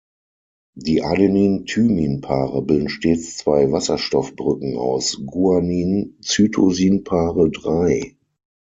Die Adenin-Thymin-Paare bilden stets zwei Wasserstoffbrücken aus, Guanin-Cytosin-Paare drei.